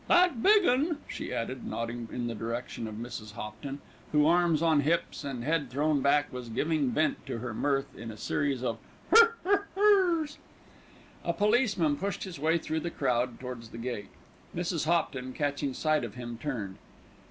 "That big un," she added, nodding in the direction of Mrs. Hopton, who, arms on hips and head thrown back, was giving vent to her mirth in a series of "her her her's." A policeman pushed his way through the crowd towards the gate. Mrs. Hopton, catching sight of him, turned.